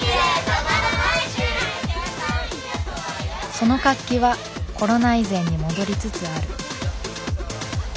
その活気はコロナ以前に戻りつつある。